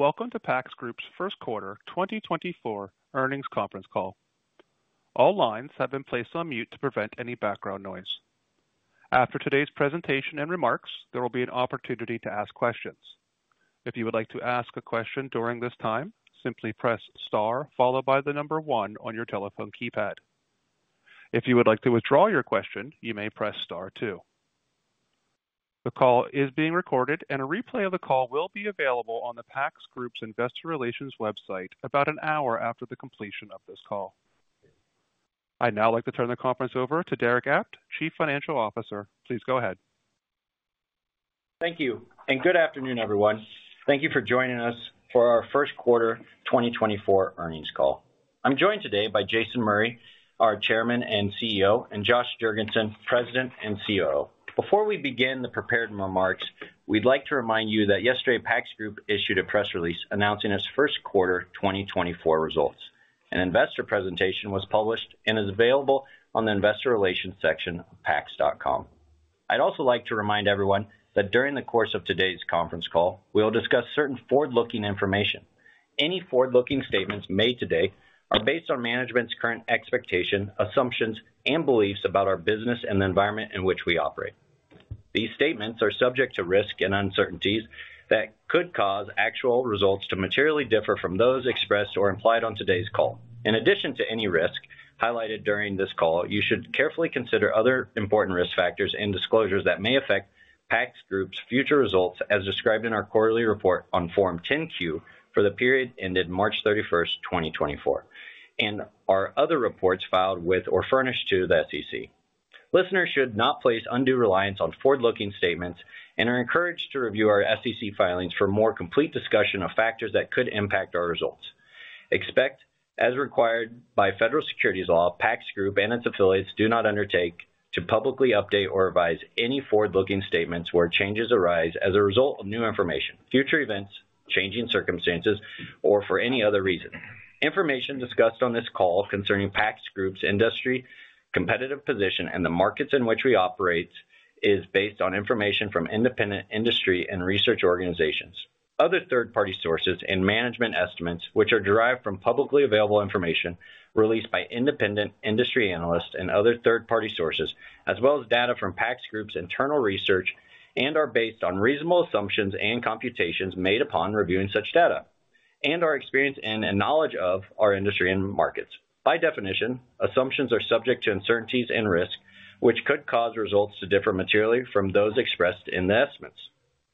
Welcome to PACS Group's First Quarter 2024 Earnings Conference Call. All lines have been placed on mute to prevent any background noise. After today's presentation and remarks, there will be an opportunity to ask questions. If you would like to ask a question during this time, simply press star, followed by the number 1 on your telephone keypad. If you would like to withdraw your question, you may press star 2. The call is being recorded, and a replay of the call will be available on the PACS Group's Investor Relations website about an hour after the completion of this call. I'd now like to turn the conference over to Derick Apt, Chief Financial Officer. Please go ahead. Thank you, and good afternoon, everyone. Thank you for joining us for our first quarter 2024 earnings call. I'm joined today by Jason Murray, our Chairman and CEO, and Joshua Jergensen, President and COO. Before we begin the prepared remarks, we'd like to remind you that yesterday, PACS Group issued a press release announcing its first quarter 2024 results. An investor presentation was published and is available on the Investor Relations section of pacs.com. I'd also like to remind everyone that during the course of today's conference call, we will discuss certain forward-looking information. Any forward-looking statements made today are based on management's current expectation, assumptions, and beliefs about our business and the environment in which we operate. These statements are subject to risks and uncertainties that could cause actual results to materially differ from those expressed or implied on today's call. In addition to any risk highlighted during this call, you should carefully consider other important risk factors and disclosures that may affect PACS Group's future results, as described in our quarterly report on Form 10-Q for the period ended March 31st, 2024, and our other reports filed with or furnished to the SEC. Listeners should not place undue reliance on forward-looking statements and are encouraged to review our SEC filings for a more complete discussion of factors that could impact our results. Except, as required by federal securities law, PACS Group and its affiliates do not undertake to publicly update or revise any forward-looking statements where changes arise as a result of new information, future events, changing circumstances, or for any other reason. Information discussed on this call concerning PACS Group's industry, competitive position, and the markets in which we operate is based on information from independent industry and research organizations, other third-party sources and management estimates, which are derived from publicly available information released by independent industry analysts and other third-party sources, as well as data from PACS Group's internal research, and are based on reasonable assumptions and computations made upon reviewing such data, and our experience and knowledge of our industry and markets. By definition, assumptions are subject to uncertainties and risks, which could cause results to differ materially from those expressed in the estimates.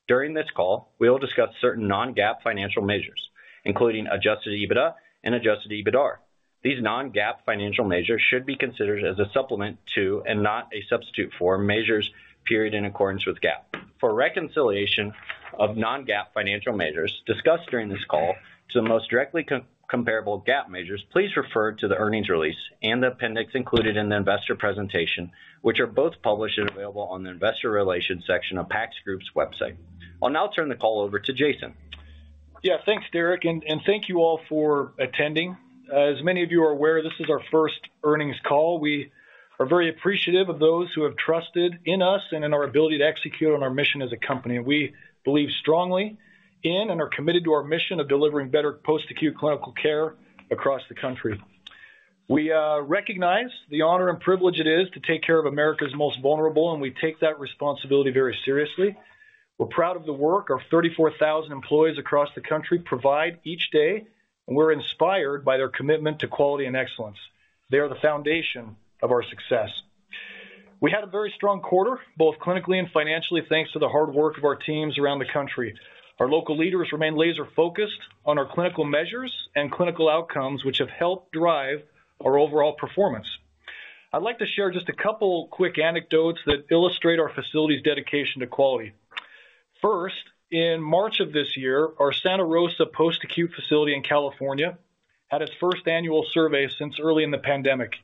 During this call, we will discuss certain non-GAAP financial measures, including adjusted EBITDA and adjusted EBITDAR. These non-GAAP financial measures should be considered as a supplement to, and not a substitute for, measures prepared in accordance with GAAP. For a reconciliation of non-GAAP financial measures discussed during this call to the most directly comparable GAAP measures, please refer to the earnings release and the appendix included in the investor presentation, which are both published and available on the Investor Relations section of PACS Group's website. I'll now turn the call over to Jason. Yeah, thanks, Derick, and thank you all for attending. As many of you are aware, this is our first earnings call. We are very appreciative of those who have trusted in us and in our ability to execute on our mission as a company. We believe strongly in and are committed to our mission of delivering better post-acute clinical care across the country. We recognize the honor and privilege it is to take care of America's most vulnerable, and we take that responsibility very seriously. We're proud of the work our 34,000 employees across the country provide each day, and we're inspired by their commitment to quality and excellence. They are the foundation of our success. We had a very strong quarter, both clinically and financially, thanks to the hard work of our teams around the country. Our local leaders remain laser focused on our clinical measures and clinical outcomes, which have helped drive our overall performance. I'd like to share just a couple quick anecdotes that illustrate our facility's dedication to quality. First, in March of this year, our Santa Rosa Post Acute facility in California, had its first annual survey since early in the pandemic.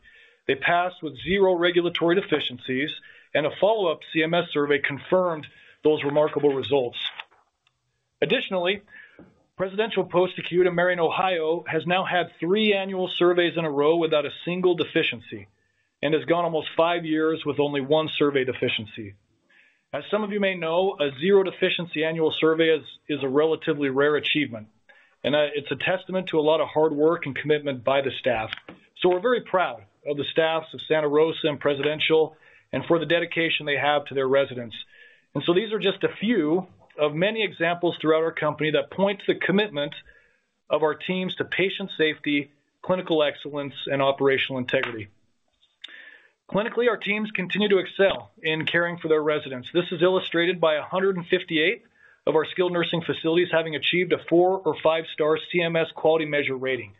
They passed with zero regulatory deficiencies, and a follow-up CMS survey confirmed those remarkable results. Additionally, Presidential Post Acute in Marion, Ohio, has now had three annual surveys in a row without a single deficiency and has gone almost 5 years with only one survey deficiency. As some of you may know, a zero-deficiency annual survey is a relatively rare achievement, and it's a testament to a lot of hard work and commitment by the staff. So we're very proud of the staffs of Santa Rosa and Presidential and for the dedication they have to their residents. These are just a few of many examples throughout our company that point to the commitment of our teams to patient safety, clinical excellence, and operational integrity. Clinically, our teams continue to excel in caring for their residents. This is illustrated by 158 of our skilled nursing facilities having achieved a 4- or 5-star CMS quality measure rating.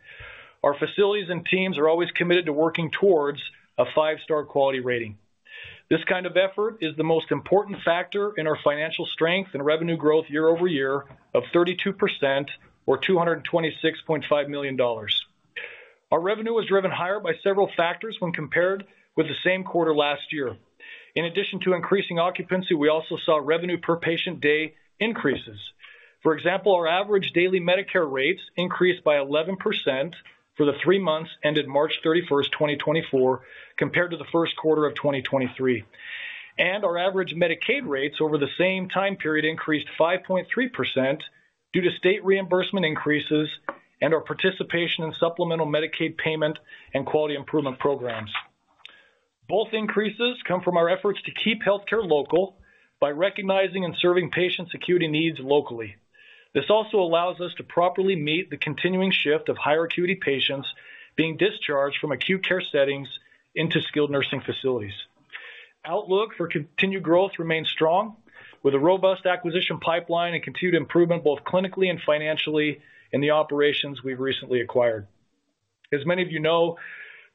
Our facilities and teams are always committed to working towards a 5-star quality rating. This kind of effort is the most important factor in our financial strength and revenue growth year-over-year of 32% or $226.5 million. Our revenue was driven higher by several factors when compared with the same quarter last year. In addition to increasing occupancy, we also saw revenue per patient day increases. For example, our average daily Medicare rates increased by 11% for the three months ended March 31st, 2024, compared to the first quarter of 2023. And our average Medicaid rates over the same time period increased 5.3% due to state reimbursement increases and our participation in supplemental Medicaid payment and quality improvement programs. Both increases come from our efforts to keep healthcare local by recognizing and serving patients' acuity needs locally. This also allows us to properly meet the continuing shift of higher acuity patients being discharged from acute care settings into skilled nursing facilities. Outlook for continued growth remains strong, with a robust acquisition pipeline and continued improvement, both clinically and financially, in the operations we've recently acquired. As many of you know,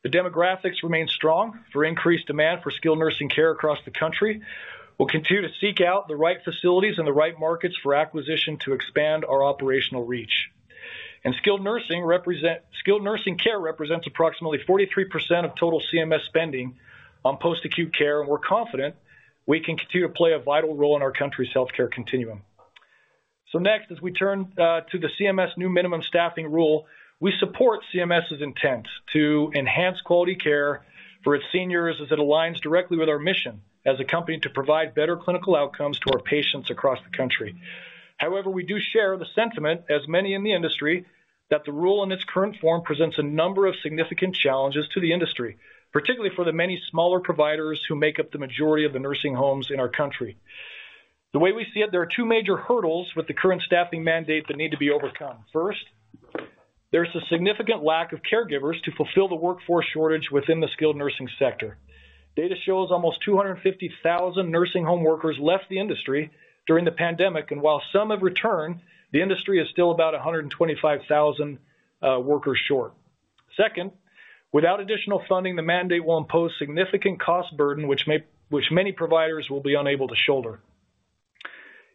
the demographics remain strong for increased demand for skilled nursing care across the country. We'll continue to seek out the right facilities and the right markets for acquisition to expand our operational reach. Skilled nursing care represents approximately 43% of total CMS spending on post-acute care, and we're confident we can continue to play a vital role in our country's healthcare continuum. Next, as we turn to the CMS new minimum staffing rule, we support CMS's intent to enhance quality care for its seniors, as it aligns directly with our mission as a company to provide better clinical outcomes to our patients across the country. However, we do share the sentiment, as many in the industry, that the rule, in its current form, presents a number of significant challenges to the industry, particularly for the many smaller providers who make up the majority of the nursing homes in our country. The way we see it, there are two major hurdles with the current staffing mandate that need to be overcome. First, there's a significant lack of caregivers to fulfill the workforce shortage within the skilled nursing sector. Data shows almost 250,000 nursing home workers left the industry during the pandemic, and while some have returned, the industry is still about 125,000 workers short. Second, without additional funding, the mandate will impose significant cost burden, which many providers will be unable to shoulder.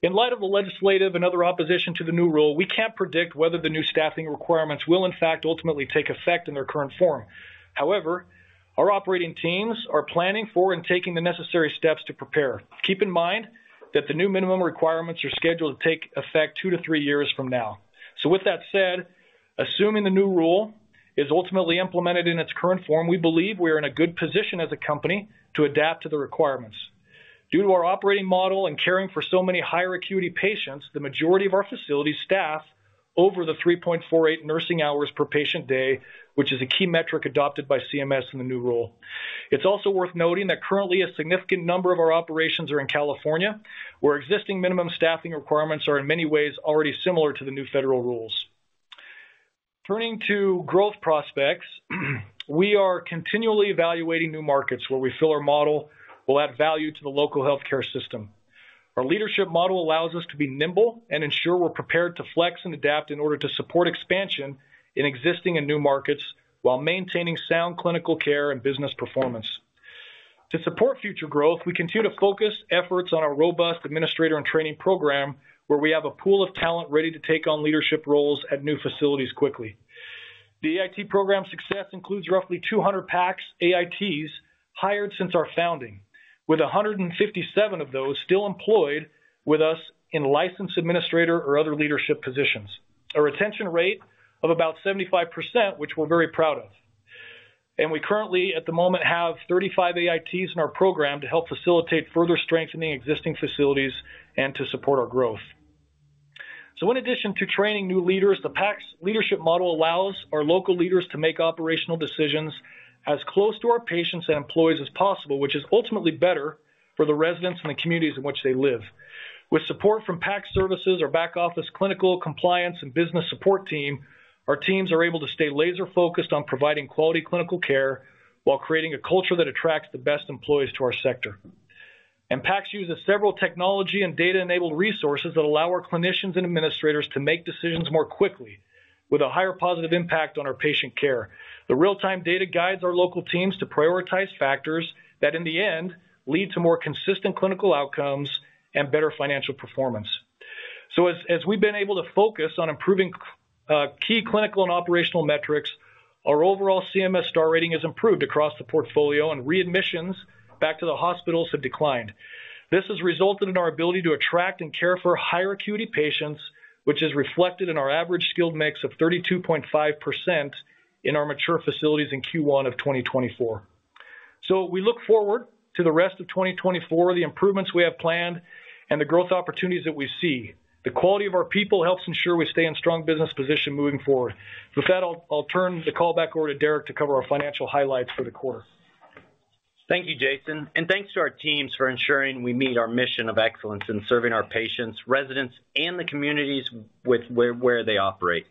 In light of the legislative and other opposition to the new rule, we can't predict whether the new staffing requirements will, in fact, ultimately take effect in their current form. However, our operating teams are planning for and taking the necessary steps to prepare. Keep in mind that the new minimum requirements are scheduled to take effect 2-3 years from now. So with that said, assuming the new rule is ultimately implemented in its current form, we believe we are in a good position as a company to adapt to the requirements. Due to our operating model and caring for so many higher acuity patients, the majority of our facilities staff over the 3.48 nursing hours per patient day, which is a key metric adopted by CMS in the new rule. It's also worth noting that currently, a significant number of our operations are in California, where existing minimum staffing requirements are, in many ways, already similar to the new federal rules. Turning to growth prospects, we are continually evaluating new markets where we feel our model will add value to the local healthcare system. Our leadership model allows us to be nimble and ensure we're prepared to flex and adapt in order to support expansion in existing and new markets, while maintaining sound clinical care and business performance. To support future growth, we continue to focus efforts on our robust administrator and training program, where we have a pool of talent ready to take on leadership roles at new facilities quickly. The AIT program success includes roughly 200 PACS AITs hired since our founding, with 157 of those still employed with us in licensed administrator or other leadership positions, a retention rate of about 75%, which we're very proud of. We currently, at the moment, have 35 AITs in our program to help facilitate further strengthening existing facilities and to support our growth. In addition to training new leaders, the PACS leadership model allows our local leaders to make operational decisions as close to our patients and employees as possible, which is ultimately better for the residents and the communities in which they live. With support from PACS Services, our back office, clinical, compliance, and business support team, our teams are able to stay laser focused on providing quality clinical care while creating a culture that attracts the best employees to our sector. PACS uses several technology and data-enabled resources that allow our clinicians and administrators to make decisions more quickly with a higher positive impact on our patient care. The real-time data guides our local teams to prioritize factors that, in the end, lead to more consistent clinical outcomes and better financial performance. So as we've been able to focus on improving key clinical and operational metrics, our overall CMS star rating has improved across the portfolio, and readmissions back to the hospitals have declined. This has resulted in our ability to attract and care for higher acuity patients, which is reflected in our average skilled mix of 32.5% in our mature facilities in Q1 of 2024. We look forward to the rest of 2024, the improvements we have planned, and the growth opportunities that we see. The quality of our people helps ensure we stay in strong business position moving forward. With that, I'll turn the call back over to Derick to cover our financial highlights for the quarter. Thank you, Jason, and thanks to our teams for ensuring we meet our mission of excellence in serving our patients, residents, and the communities where they operate.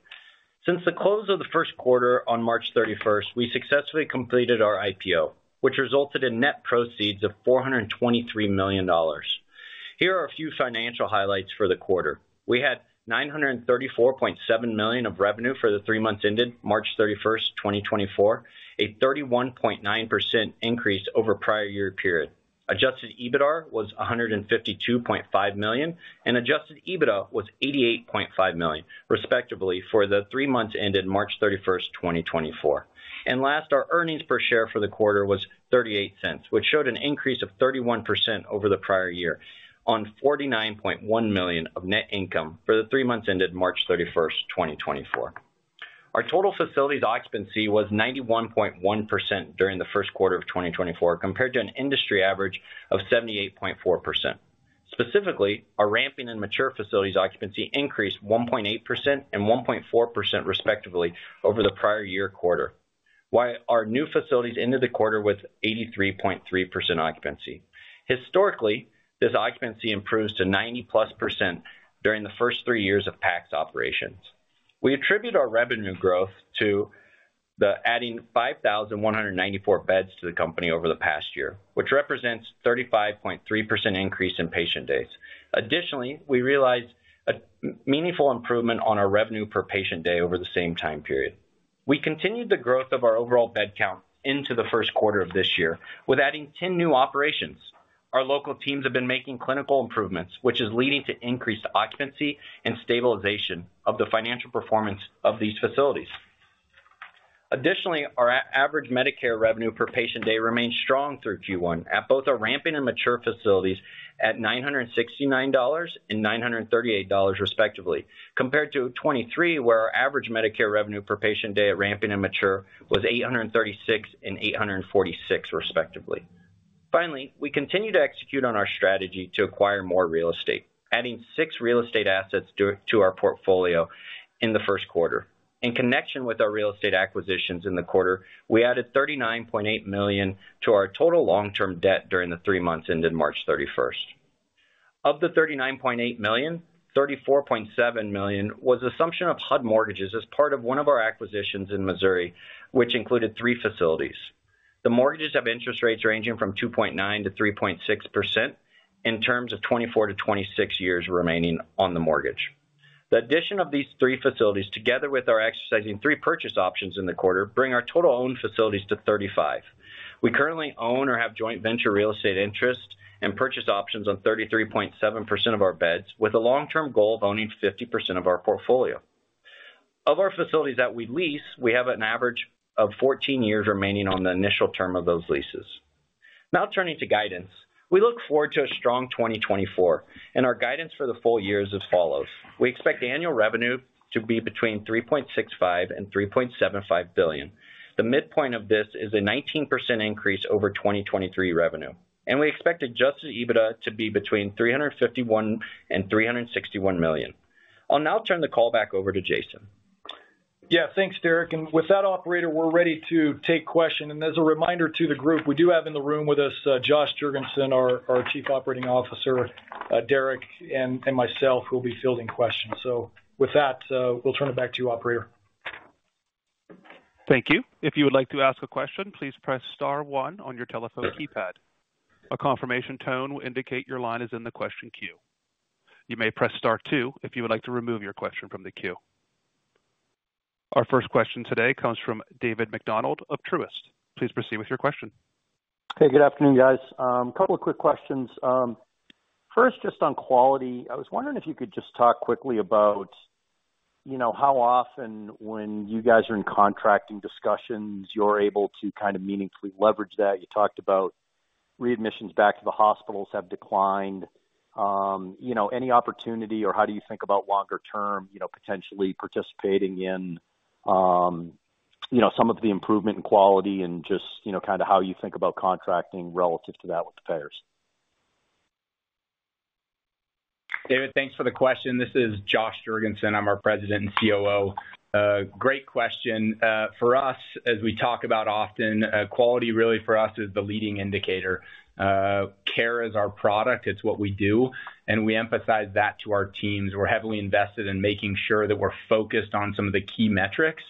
Since the close of the first quarter on March 31st, we successfully completed our IPO, which resulted in net proceeds of $423 million. Here are a few financial highlights for the quarter. We had $934.7 million of revenue for the three months ended March 31st, 2024, a 31.9% increase over prior-year-period. Adjusted EBITDAR was $152.5 million, and adjusted EBITDA was $88.5 million, respectively, for the three months ended March 31st, 2024. Last, our earnings per share for the quarter was $0.38, which showed an increase of 31% over the prior year on $49.1 million of net income for the 3 months ended March 31st, 2024.... Our total facilities occupancy was 91.1% during the first quarter of 2024, compared to an industry average of 78.4%. Specifically, our ramping and mature facilities occupancy increased 1.8% and 1.4%, respectively, over the prior-year-quarter, while our new facilities ended the quarter with 83.3% occupancy. Historically, this occupancy improves to 90%+ during the first 3 years of PACS operations. We attribute our revenue growth to the adding 5,194 beds to the company over the past year, which represents 35.3% increase in patient days. Additionally, we realized a meaningful improvement on our revenue per patient day over the same time period. We continued the growth of our overall bed count into the first quarter of this year, with adding 10 new operations. Our local teams have been making clinical improvements, which is leading to increased occupancy and stabilization of the financial performance of these facilities. Additionally, our average Medicare revenue per patient day remains strong through Q1 at both our ramping and mature facilities at $969 and $938, respectively, compared to 2023, where our average Medicare revenue per patient day at ramping and mature was $836 and $846, respectively. Finally, we continue to execute on our strategy to acquire more real estate, adding 6 real estate assets to our portfolio in the first quarter. In connection with our real estate acquisitions in the quarter, we added $39.8 million to our total long-term debt during the three months ended March 31st. Of the $39.8 million, $34.7 million was assumption of HUD mortgages as part of one of our acquisitions in Missouri, which included three facilities. The mortgages have interest rates ranging from 2.9%-3.6%, in terms of 24-26 years remaining on the mortgage. The addition of these three facilities, together with our exercising three purchase options in the quarter, bring our total owned facilities to 35. We currently own or have joint venture real estate interest and purchase options on 33.7% of our beds, with a long-term goal of owning 50% of our portfolio. Of our facilities that we lease, we have an average of 14 years remaining on the initial term of those leases. Now, turning to guidance. We look forward to a strong 2024, and our guidance for the full year is as follows: We expect annual revenue to be between $3.65-$3.75 billion. The midpoint of this is a 19% increase over 2023 revenue, and we expect adjusted EBITDA to be between $351-$361 million. I'll now turn the call back over to Jason. Yeah, thanks, Derick, and with that operator, we're ready to take questions. As a reminder to the group, we do have in the room with us, Josh Jergensen, our Chief Operating Officer, Derick, and myself, who will be fielding questions. So with that, we'll turn it back to you, operator. Thank you. If you would like to ask a question, please press star one on your telephone keypad. A confirmation tone will indicate your line is in the question queue. You may press star two, if you would like to remove your question from the queue. Our first question today comes from David MacDonald of Truist. Please proceed with your question. Hey, good afternoon, guys. A couple of quick questions. First, just on quality, I was wondering if you could just talk quickly about, you know, how often when you guys are in contracting discussions, you're able to kind of meaningfully leverage that. You talked about readmissions back to the hospitals have declined, you know, any opportunity, or how do you think about longer term, you know, potentially participating in, you know, some of the improvement in quality and just, you know, kind of how you think about contracting relative to that with the payers? David, thanks for the question. This is Josh Jergensen, I'm our President and COO. Great question. For us, as we talk about often, quality really for us is the leading indicator. Care is our product. It's what we do, and we emphasize that to our teams. We're heavily invested in making sure that we're focused on some of the key metrics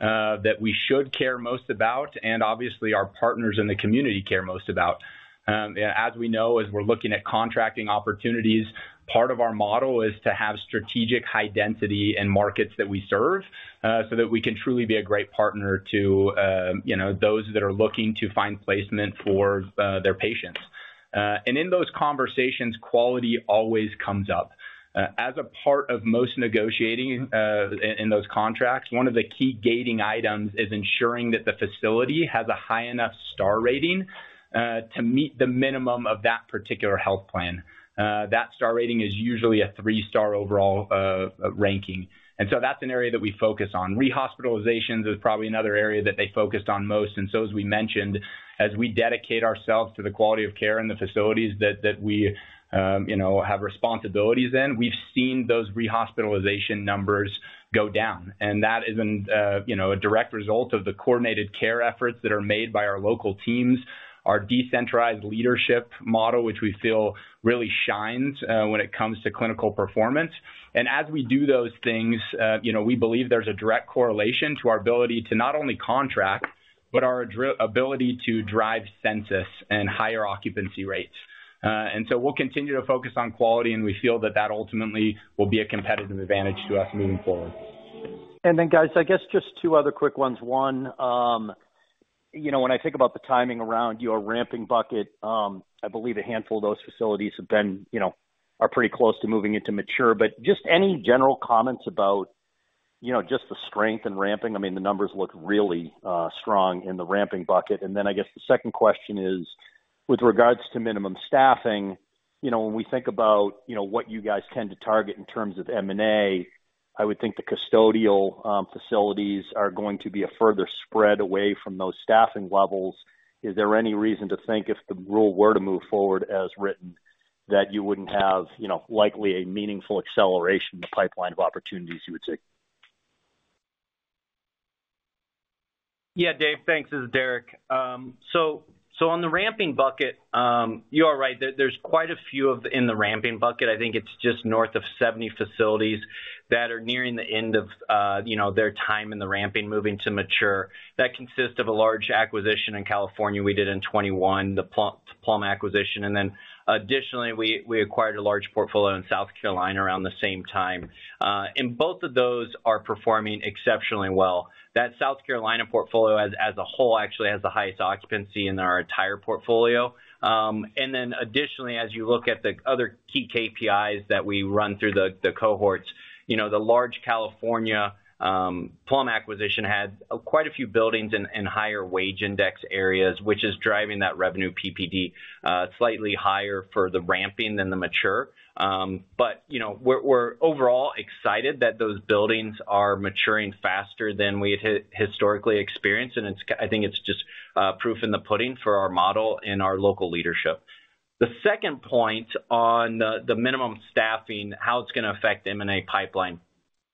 that we should care most about, and obviously, our partners in the community care most about. As we know, as we're looking at contracting opportunities, part of our model is to have strategic high density in markets that we serve, so that we can truly be a great partner to, you know, those that are looking to find placement for their patients. And in those conversations, quality always comes up. As a part of most negotiating, in those contracts, one of the key gating items is ensuring that the facility has a high enough star rating, to meet the minimum of that particular health plan. That star rating is usually a 3-star overall ranking, and so that's an area that we focus on. Rehospitalization is probably another area that they focused on most, and so as we mentioned, as we dedicate ourselves to the quality of care in the facilities that we, you know, have responsibilities in, we've seen those rehospitalization numbers go down, and that is, you know, a direct result of the coordinated care efforts that are made by our local teams, our decentralized leadership model, which we feel really shines, when it comes to clinical performance. As we do those things, you know, we believe there's a direct correlation to our ability to not only contract, but our ability to drive census and higher occupancy rates. So we'll continue to focus on quality, and we feel that that ultimately will be a competitive advantage to us moving forward. And then, guys, I guess just two other quick ones. One, you know, when I think about the timing around your ramping bucket, I believe a handful of those facilities have been, you know, are pretty close to moving into mature. But just any general comments about, you know, just the strength and ramping? I mean, the numbers look really strong in the ramping bucket. And then I guess the second question is, with regards to minimum staffing, you know, when we think about, you know, what you guys tend to target in terms of M&A, I would think the custodial facilities are going to be a further spread away from those staffing levels? Is there any reason to think if the rule were to move forward as written, that you wouldn't have, you know, likely a meaningful acceleration in the pipeline of opportunities you would see? Yeah, Dave. Thanks. This is Derick. So, so on the ramping bucket, you are right. There's quite a few in the ramping bucket. I think it's just north of 70 facilities that are nearing the end of, you know, their time in the ramping, moving to mature. That consists of a large acquisition in California we did in 2021, the Plum acquisition, and then additionally, we acquired a large portfolio in South Carolina around the same time. And both of those are performing exceptionally well. That South Carolina portfolio as a whole actually has the highest occupancy in our entire portfolio. And then additionally, as you look at the other key KPIs that we run through the cohorts, you know, the large California Plum acquisition had quite a few buildings in higher wage index areas, which is driving that revenue PPD slightly higher for the ramping than the mature. But, you know, we're overall excited that those buildings are maturing faster than we had historically experienced, and it's. I think it's just proof in the pudding for our model and our local leadership. The second point on the minimum staffing, how it's gonna affect M&A pipeline.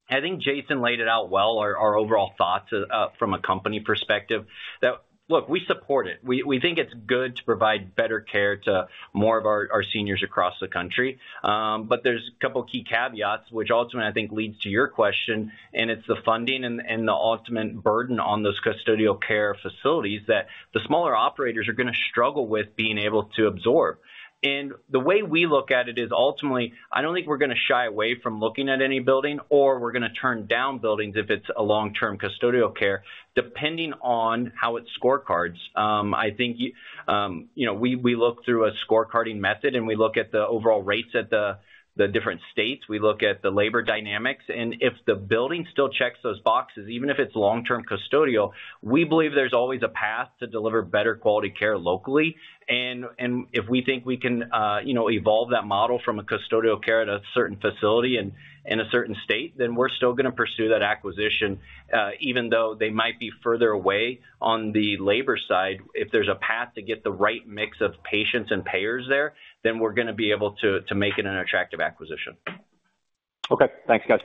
I think Jason laid it out well, our overall thoughts from a company perspective, that. Look, we support it. We think it's good to provide better care to more of our seniors across the country. But there's a couple key caveats, which ultimately, I think leads to your question, and it's the funding and, and the ultimate burden on those custodial care facilities, that the smaller operators are gonna struggle with being able to absorb. And the way we look at it is, ultimately, I don't think we're gonna shy away from looking at any building, or we're gonna turn down buildings if it's a long-term custodial care, depending on how it scorecards. I think you know we look through a scorecarding method, and we look at the overall rates at the, the different states. We look at the labor dynamics, and if the building still checks those boxes, even if it's long-term custodial, we believe there's always a path to deliver better quality care locally. If we think we can, you know, evolve that model from a custodial care at a certain facility and in a certain state, then we're still gonna pursue that acquisition, even though they might be further away on the labor side. If there's a path to get the right mix of patients and payers there, then we're gonna be able to make it an attractive acquisition. Okay. Thanks, guys.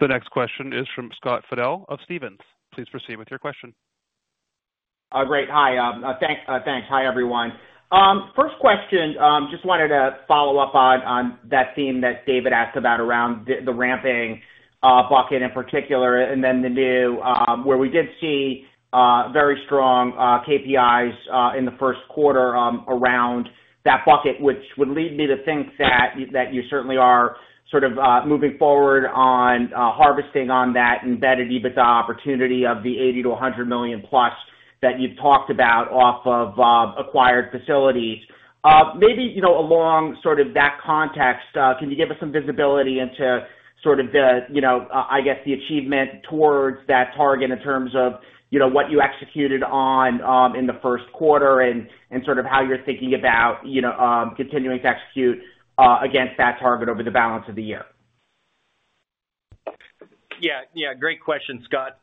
The next question is from Scott Fidel of Stephens. Please proceed with your question. Great. Hi, thanks. Hi, everyone. First question, just wanted to follow up on that theme that David asked about around the ramping bucket in particular, and then the new where we did see very strong KPIs in the first quarter around that bucket, which would lead me to think that you certainly are sort of moving forward on harvesting on that embedded EBITDA opportunity of the $80 million-$100 million plus that you've talked about off of acquired facilities. Maybe, you know, along sort of that context, can you give us some visibility into sort of the, you know, I guess, the achievement towards that target in terms of, you know, what you executed on, in the first quarter and, and sort of how you're thinking about, you know, continuing to execute, against that target over the balance of the year? Yeah, yeah, great question, Scott.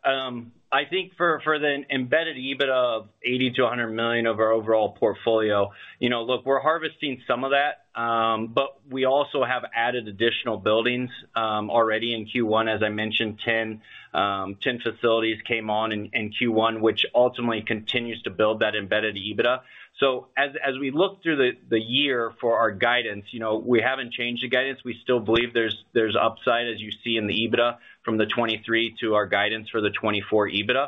I think for the embedded EBITDA of $80 million-$100 million of our overall portfolio, you know, look, we're harvesting some of that, but we also have added additional buildings already in Q1. As I mentioned, 10 facilities came on in Q1, which ultimately continues to build that embedded EBITDA. So as we look through the year for our guidance, you know, we haven't changed the guidance. We still believe there's upside, as you see in the EBITDA, from 2023 to our guidance for the 2024 EBITDA.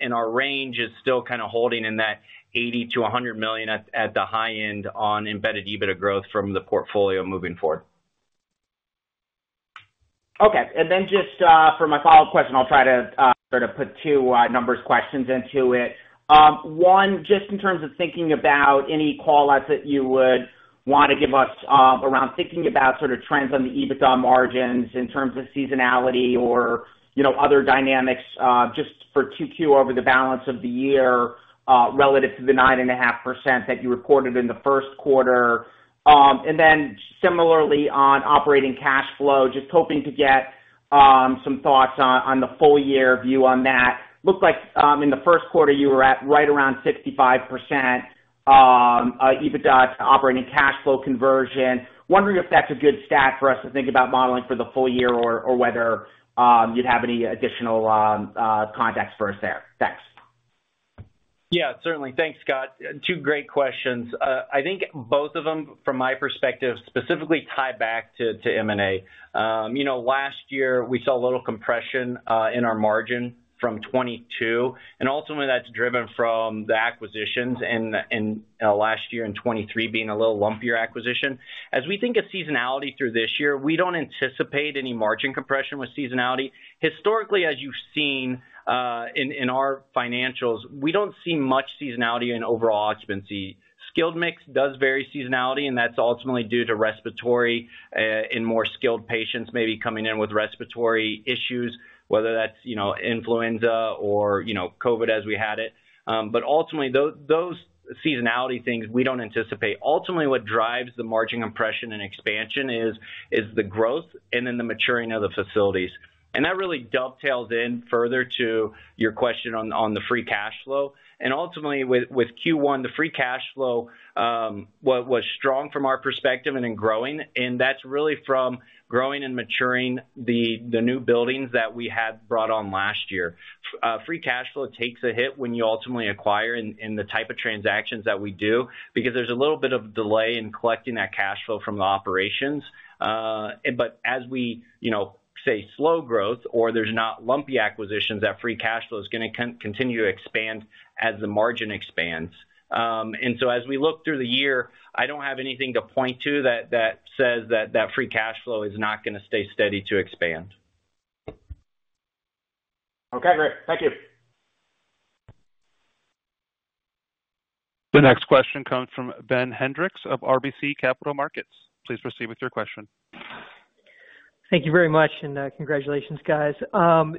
And our range is still kind of holding in that $80 million-$100 million at the high end on embedded EBITDA growth from the portfolio moving forward. Okay. And then just, for my follow-up question, I'll try to, sort of put 2 numbers questions into it. One, just in terms of thinking about any call-outs that you would want to give us, around thinking about sort of trends on the EBITDA margins in terms of seasonality or, you know, other dynamics, just for 2Q over the balance of the year, relative to the 9.5% that you recorded in the first quarter. And then similarly, on operating cash flow, just hoping to get, some thoughts on, on the full-year view on that. Looked like, in the first quarter, you were at right around 65%, EBITDA to operating cash flow conversion. Wondering if that's a good stat for us to think about modeling for the full year or whether you'd have any additional context for us there? Thanks.... Yeah, certainly. Thanks, Scott. Two great questions. I think both of them, from my perspective, specifically tie back to, to M&A. You know, last year, we saw a little compression in our margin from 2022, and ultimately, that's driven from the acquisitions in last year and 2023 being a little lumpier acquisition. As we think of seasonality through this year, we don't anticipate any margin compression with seasonality. Historically, as you've seen, in our financials, we don't see much seasonality in overall occupancy. Skilled mix does vary seasonality, and that's ultimately due to respiratory and more skilled patients maybe coming in with respiratory issues, whether that's, you know, influenza or, you know, COVID as we had it. But ultimately, those seasonality things, we don't anticipate. Ultimately, what drives the margin compression and expansion is the growth and then the maturing of the facilities. That really dovetails in further to your question on the free cash flow. Ultimately, with Q1, the free cash flow was strong from our perspective and in growing, and that's really from growing and maturing the new buildings that we had brought on last year. Free cash flow takes a hit when you ultimately acquire in the type of transactions that we do, because there's a little bit of delay in collecting that cash flow from the operations. But as we, you know, say, slow growth or there's not lumpy acquisitions, that free cash flow is going to continue to expand as the margin expands. And so as we look through the year, I don't have anything to point to that says that free cash flow is not going to stay steady to expand. Okay, great. Thank you. The next question comes from Ben Hendrix of RBC Capital Markets. Please proceed with your question. Thank you very much, and congratulations, guys.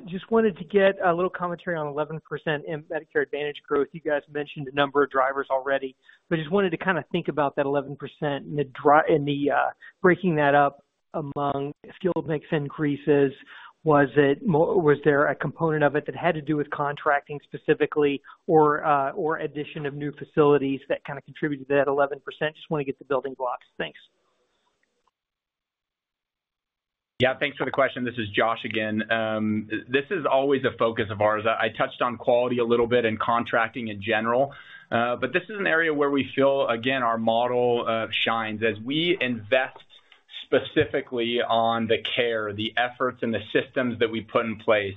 Just wanted to get a little commentary on 11% in Medicare Advantage growth. You guys mentioned a number of drivers already, but just wanted to kind of think about that 11% and the drivers and the breaking that up among skilled mix increases. Was there a component of it that had to do with contracting specifically or or addition of new facilities that kind of contributed to that 11%? Just want to get the building blocks. Thanks. Yeah, thanks for the question. This is Josh again. This is always a focus of ours. I touched on quality a little bit and contracting in general, but this is an area where we feel, again, our model shines. As we invest specifically on the care, the efforts and the systems that we put in place,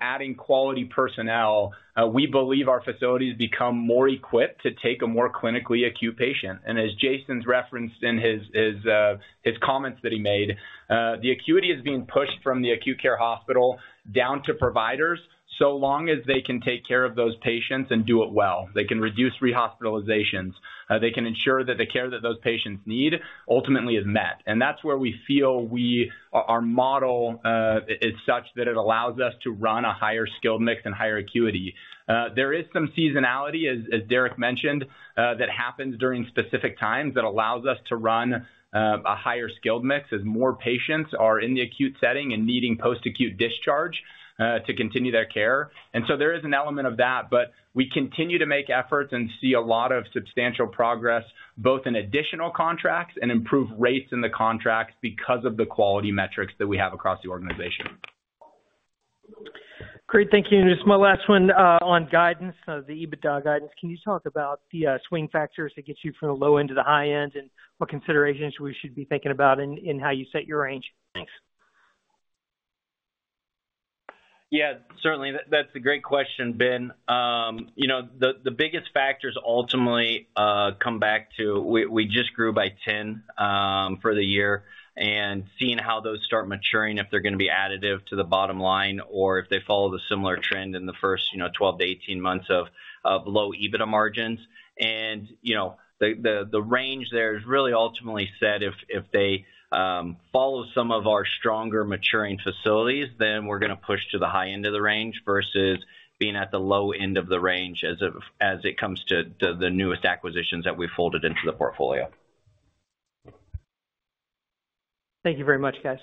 adding quality personnel, we believe our facilities become more equipped to take a more clinically acute patient. And as Jason's referenced in his comments that he made, the acuity is being pushed from the acute care hospital down to providers, so long as they can take care of those patients and do it well. They can reduce rehospitalizations, they can ensure that the care that those patients need ultimately is met, and that's where we feel our model is such that it allows us to run a higher skilled mix and higher acuity. There is some seasonality, as Derick mentioned, that happens during specific times, that allows us to run a higher skilled mix as more patients are in the acute setting and needing post-acute discharge to continue their care. And so there is an element of that, but we continue to make efforts and see a lot of substantial progress, both in additional contracts and improved rates in the contracts because of the quality metrics that we have across the organization. Great. Thank you. Just my last one, on guidance, the EBITDA guidance. Can you talk about the swing factors that get you from the low end to the high end, and what considerations we should be thinking about in how you set your range? Thanks. Yeah, certainly. That's a great question, Ben. You know, the biggest factors ultimately come back to we just grew by 10 for the year, and seeing how those start maturing, if they're going to be additive to the bottom line, or if they follow the similar trend in the first, you know, 12-18 months of low EBITDA margins. You know, the range there is really ultimately said, if they follow some of our stronger maturing facilities, then we're going to push to the high end of the range versus being at the low end of the range as it comes to the newest acquisitions that we folded into the portfolio. Thank you very much, guys.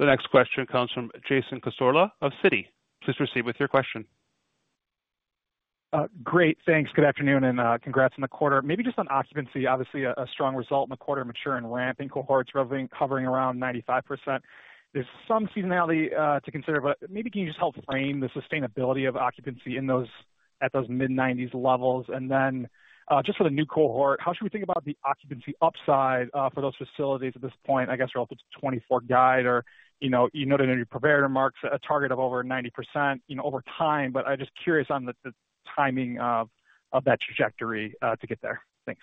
The next question comes from Jason Cassorla of Citi. Please proceed with your question. Great, thanks. Good afternoon, and, congrats on the quarter. Maybe just on occupancy, obviously a strong result in the quarter, mature and ramping cohorts covering around 95%. There's some seasonality to consider, but maybe can you just help frame the sustainability of occupancy in those at those mid-90s levels? And then, just for the new cohort, how should we think about the occupancy upside for those facilities at this point, I guess, relative to 2024 guide or, you know, you noted in your prepared remarks a target of over 90%, you know, over time, but I'm just curious on the timing of that trajectory to get there? Thanks.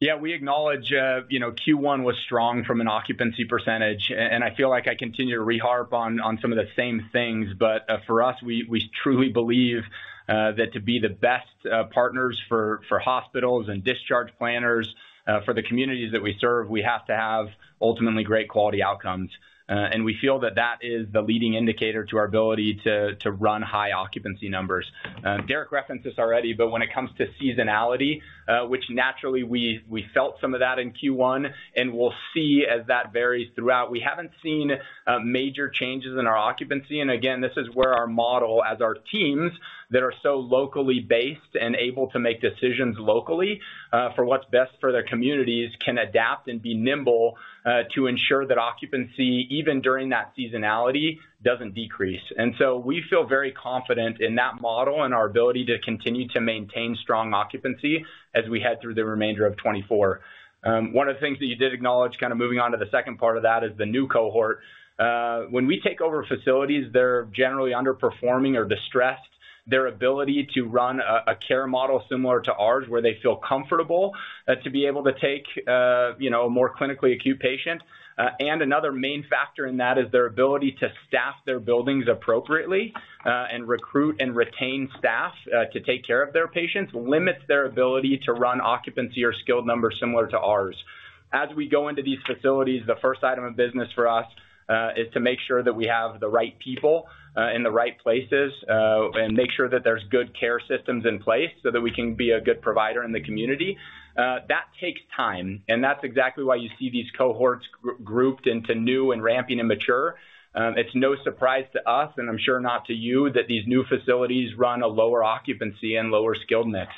Yeah, we acknowledge, you know, Q1 was strong from an occupancy percentage, and I feel like I continue to rehash on some of the same things. But, for us, we truly believe that to be the best partners for hospitals and discharge planners for the communities that we serve, we have to have ultimately great quality outcomes. And we feel that that is the leading indicator to our ability to run high occupancy numbers. Derick referenced this already, but when it comes to seasonality, which naturally we felt some of that in Q1, and we'll see as that varies throughout. We haven't seen major changes in our occupancy. Again, this is where our model, as our teams, that are so locally based and able to make decisions locally, for what's best for their communities, can adapt and be nimble, to ensure that occupancy, even during that seasonality, doesn't decrease. So we feel very confident in that model and our ability to continue to maintain strong occupancy as we head through the remainder of 2024. One of the things that you did acknowledge, kind of moving on to the second part of that, is the new cohort. When we take over facilities, they're generally underperforming or distressed. Their ability to run a care model similar to ours, where they feel comfortable, to be able to take, you know, a more clinically acute patient. And another main factor in that is their ability to staff their buildings appropriately, and recruit and retain staff, to take care of their patients, limits their ability to run occupancy or skilled numbers similar to ours. As we go into these facilities, the first item of business for us is to make sure that we have the right people in the right places, and make sure that there's good care systems in place, so that we can be a good provider in the community. That takes time, and that's exactly why you see these cohorts grouped into new and ramping and mature. It's no surprise to us, and I'm sure not to you, that these new facilities run a lower occupancy and lower skilled mix.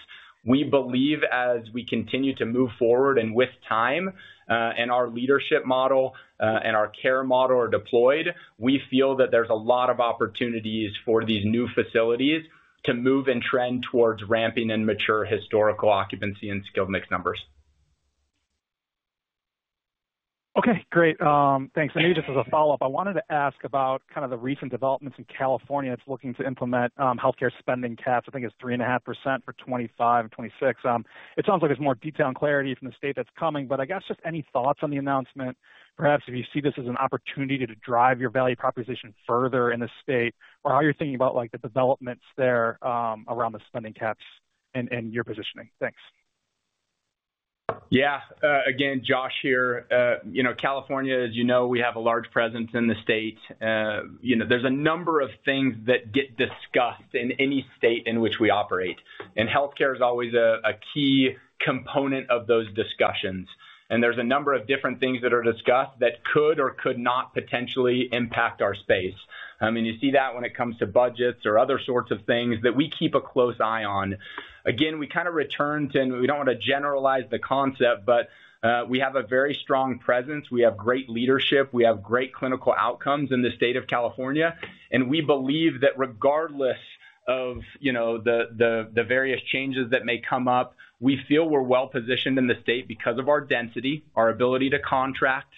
We believe as we continue to move forward and with time, and our leadership model, and our care model are deployed, we feel that there's a lot of opportunities for these new facilities to move and trend towards ramping and mature historical occupancy and skilled mix numbers. Okay, great. Thanks. And just as a follow-up, I wanted to ask about kind of the recent developments in California. It's looking to implement healthcare spending caps. I think it's 3.5% for 2025 and 2026. It sounds like there's more detail and clarity from the state that's coming, but I guess, just any thoughts on the announcement, perhaps if you see this as an opportunity to drive your value proposition further in the state, or how you're thinking about, like, the developments there, around the spending caps and, and your positioning? Thanks. Yeah. Again, Josh here. You know, California, as you know, we have a large presence in the state. You know, there's a number of things that get discussed in any state in which we operate, and healthcare is always a key component of those discussions. And there's a number of different things that are discussed that could or could not potentially impact our space. I mean, you see that when it comes to budgets or other sorts of things that we keep a close eye on. Again, we kind of return to, and we don't want to generalize the concept, but we have a very strong presence. We have great leadership, we have great clinical outcomes in the state of California, and we believe that regardless of, you know, the various changes that may come up, we feel we're well positioned in the state because of our density, our ability to contract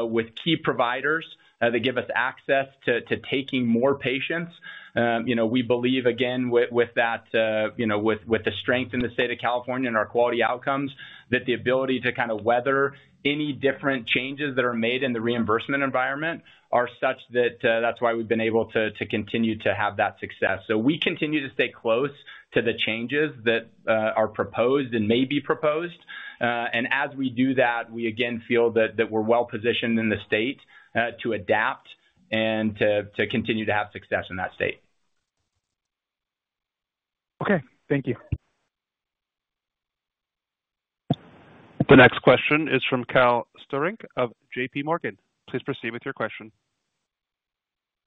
with key providers that give us access to taking more patients. You know, we believe, again, with that, you know, with the strength in the state of California and our quality outcomes, that the ability to kind of weather any different changes that are made in the reimbursement environment are such that, that's why we've been able to continue to have that success. So we continue to stay close to the changes that are proposed and may be proposed. And as we do that, we again feel that we're well positioned in the state to adapt and to continue to have success in that state. Okay, thank you. The next question is from Cal Sternick of J.P. Morgan. Please proceed with your question.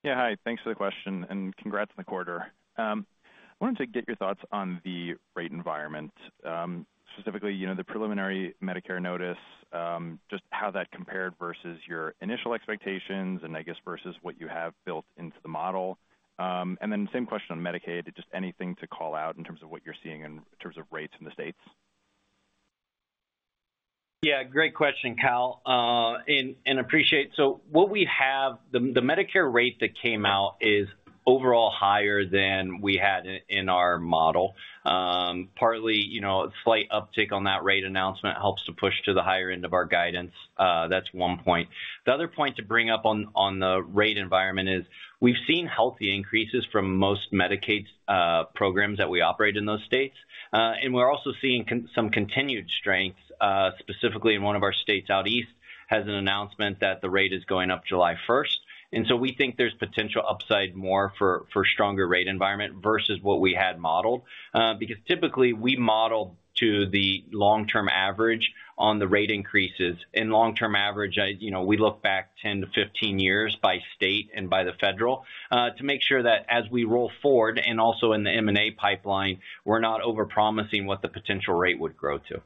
Yeah, hi. Thanks for the question, and congrats on the quarter. I wanted to get your thoughts on the rate environment, specifically, you know, the preliminary Medicare notice, just how that compared versus your initial expectations and, I guess, versus what you have built into the model. And then same question on Medicaid. Just anything to call out in terms of what you're seeing in terms of rates in the states? Yeah, great question, Cal, appreciate. So what we have, the Medicare rate that came out is overall higher than we had in our model. Partly, you know, a slight uptick on that rate announcement helps to push to the higher end of our guidance. That's one point. The other point to bring up on the rate environment is, we've seen healthy increases from most Medicaid programs that we operate in those states. And we're also seeing some continued strength, specifically in one of our states out east, has an announcement that the rate is going up July 1st. And so we think there's potential upside more for stronger rate environment versus what we had modeled. Because typically, we model to the long-term average on the rate increases. In long-term average, I... You know, we look back 10-15 years by state and by the federal to make sure that as we roll forward and also in the M&A pipeline, we're not overpromising what the potential rate would grow to.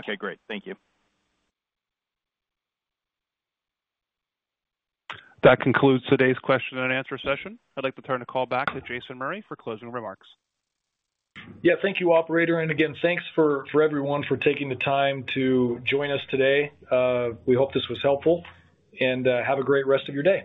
Okay, great. Thank you. That concludes today's question and answer session. I'd like to turn the call back to Jason Murray for closing remarks. Yeah, thank you, operator, and again, thanks for everyone for taking the time to join us today. We hope this was helpful, and have a great rest of your day.